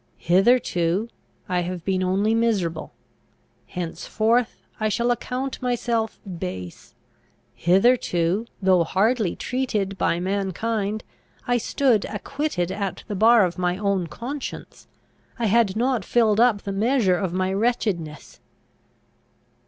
Hitherto I have been only miserable; henceforth I shall account myself base! Hitherto, though hardly treated by mankind, I stood acquitted at the bar of my own conscience. I had not filled up the measure of my wretchedness!